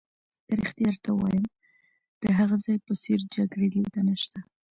که رښتیا درته ووایم، د هغه ځای په څېر جګړې دلته نشته.